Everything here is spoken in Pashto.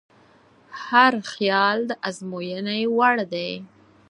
هر خیال د ازموینې وړ دی.